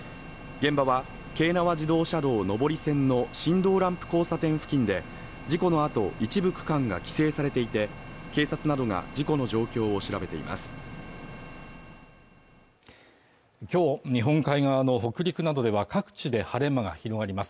現場は京奈和自動車道上り線の新堂ランプ交差点付近で事故のあと一部区間が規制されていて警察などが事故の状況を調べています